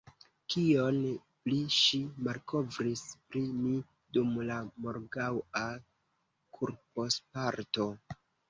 Kion pli ŝi malkovris pri mi dum la morgaŭa kursoparto?